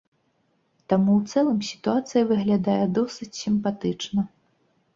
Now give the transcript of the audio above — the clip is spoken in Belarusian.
Таму ў цэлым сітуацыя выглядае досыць сімпатычна.